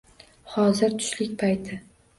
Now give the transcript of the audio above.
Hozir tushlik payti